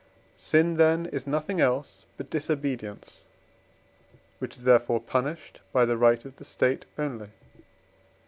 Sin, then, is nothing else but disobedience, which is therefore punished by the right of the State only.